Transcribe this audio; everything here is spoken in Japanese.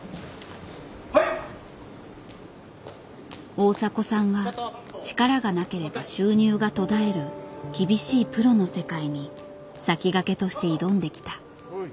大迫さんは力がなければ収入が途絶える厳しいプロの世界に先駆けとして挑んできた。